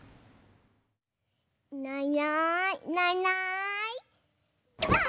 いないいないいないいないばあっ！